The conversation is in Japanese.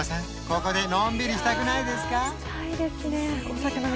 ここでのんびりしたくないですか？